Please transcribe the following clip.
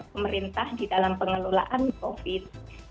pemerintah di dalam pengelolaan covid